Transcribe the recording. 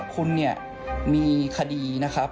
คุณเนี่ยมีคดีนะครับ